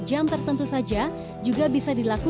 yang cari memper candidate